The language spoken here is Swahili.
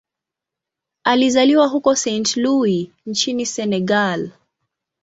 Alizaliwa huko Saint-Louis nchini Senegal.